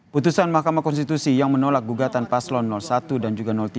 putusan mahkamah konstitusi yang menolak gugatan paslon satu dan juga tiga